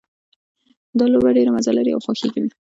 دا لوبه ډېره مزه لري او خوښیږي مې